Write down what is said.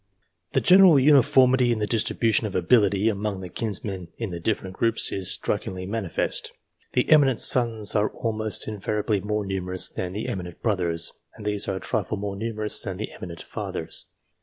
The general uniformity in the distribution of ability among the kinsmen in the different groups, is strikingly manifest. The eminent sons are almost invariably more numerous than the eminent brothers, and these are a trifle more numerous than the eminent fathers.